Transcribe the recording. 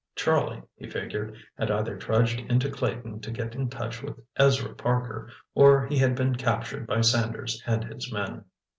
Charlie, he figured, had either trudged into Clayton to get in touch with Ezra Parker, or he had been captured by Sanders and his men.